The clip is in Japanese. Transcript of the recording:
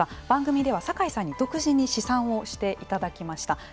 番組では酒井さんに独自に試算をしていただきました。